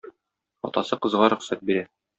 Атасы кызга рөхсәт бирә.